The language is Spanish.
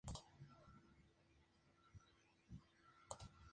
Ese mismo año, Bonilla inicia el trabajo en Italia.